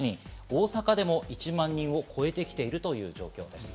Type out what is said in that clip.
大阪でも１万人を超えてきているという状況です。